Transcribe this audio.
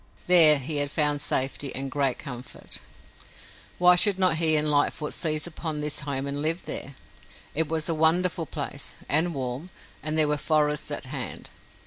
There he had found safety and great comfort. Why should not he and Lightfoot seize upon this home and live there? It was a wonderful place and warm, and there were forests at hand.